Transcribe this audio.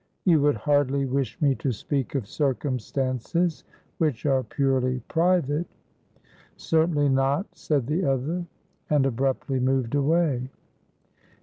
"You would hardly wish me to speak of circumstances which are purely private." "Certainly not," said the other, and abruptly moved away.